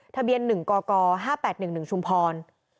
ทะเบียน๑กก๕๘๑๑ชุมพร